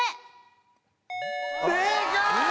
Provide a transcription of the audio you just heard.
正解！